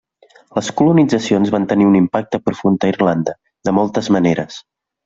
Les colonitzacions van tenir un impacte profund a Irlanda de moltes maneres.